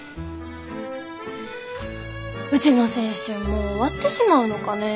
うちの青春もう終わってしまうのかね。